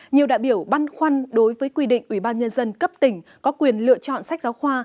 nhiều đại biểu băn khoăn đối với quy định ubnd cấp tỉnh có quyền lựa chọn sách giáo khoa